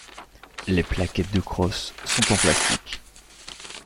Les plaquettes de crosse sont en plastique.